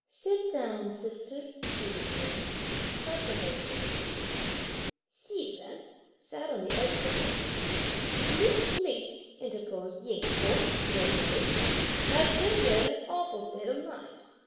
"Sit down, sister," she rejoined, pressing her to take a seat. Hsi Jen sat on the edge of the bed. "Miss Lin," interposed Ying Ko smirkingly, "has been here in an awful state of mind!